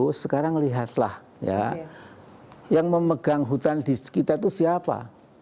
terus sekarang lihatlah ya yang memegang hutan di kita itu siapa